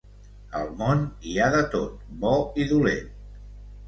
Al món hi ha de tot, bo i dolent.